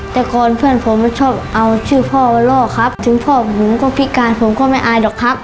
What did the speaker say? แต่ก่อนเพื่อนผมชอบเอาชื่อพ่อมาล่อครับถึงพ่อผมก็พิการผมก็ไม่อายหรอกครับ